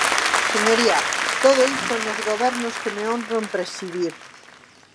Señoría, todo isto nos gobernos que me honro en presidir.